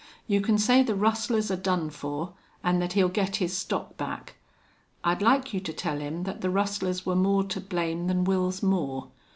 You can say the rustlers are done for an' that he'll get his stock back. I'd like you to tell him that the rustlers were more to blame than Wils Moore.